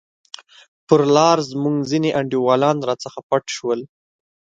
پر لار زموږ ځیني انډیوالان راڅخه پټ شول.